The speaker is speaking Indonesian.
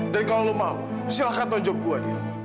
dan kalau lo mau silahkan tunjuk gue dil